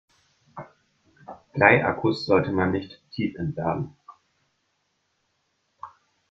Bleiakkus sollte man nicht tiefentladen.